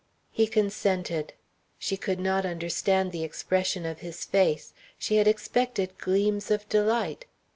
He consented. She could not understand the expression of his face. She had expected gleams of delight.